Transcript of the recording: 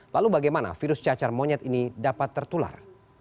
lalu bagaimana virus cacar monyet ini dapat tertular